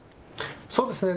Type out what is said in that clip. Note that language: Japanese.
そうですね。